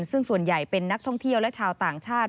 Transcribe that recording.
ซึ่งส่วนใหญ่เป็นนักท่องเที่ยวและชาวต่างชาติ